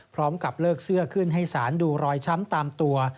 พร้อมกับเลิกเสื้อขึ้นให้สารดูรอยช้ำตามตัว